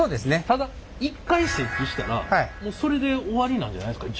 ただ一回設置したらもうそれで終わりなんじゃないですか？